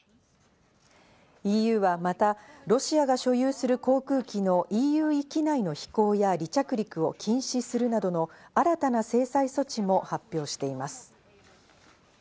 ＥＵはまた、ロシアが所有する航空機のＥＵ域内の飛行や離着陸を禁止するなどの新たな制裁措置も発表しています。